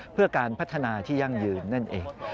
เพื่อการพัฒนาที่ยั่งยืนนั่นเอง